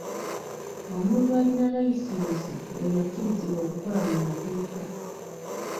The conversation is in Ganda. Omuntu alina layisinsi y'oyo akkiriziddwa okukola mu mateeka.